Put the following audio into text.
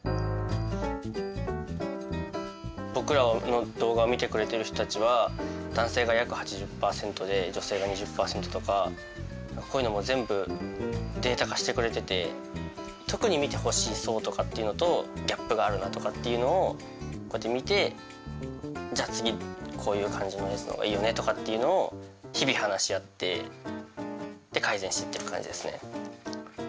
僕らの動画を見てくれてる人たちは男性が約８０％で女性が２０％とかこういうのも全部データ化してくれてて特に見てほしい層とかっていうのとギャップがあるなとかっていうのをこうやって見てじゃあ次こういう感じのやつのほうがいいよねとかっていうのを日々話し合って改善してってる感じですね。